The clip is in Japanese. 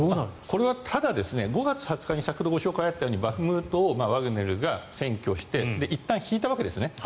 これは５月２０日に先ほどご紹介があったようにバフムトをワグネルが占拠していったん引いたわけですね。